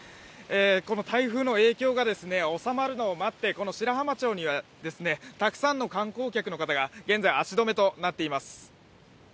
この台風の影響がおさまるのを待ってこの白浜町には、たくさんの観光客の方が現在、足止めとなっています。